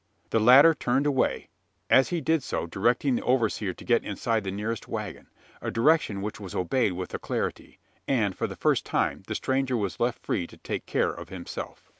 The latter turned away; as he did so, directing the overseer to get inside the nearest waggon a direction which was obeyed with alacrity and, for the first time, the stranger was left free to take care of himself.